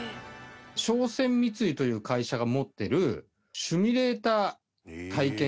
商船三井という会社が持ってる。